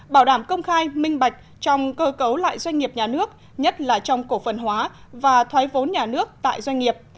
bảo đảm công khai minh bạch trong cơ cấu lại doanh nghiệp nhà nước nhất là trong cổ phần hóa và thoái vốn nhà nước tại doanh nghiệp